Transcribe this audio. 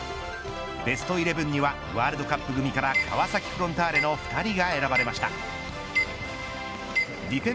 ベストイレブンにはワールドカップ組から川崎フロンターレの２人が選ばれました。